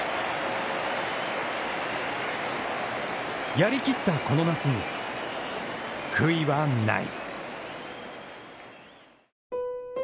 やりきったこの夏に、悔いはない。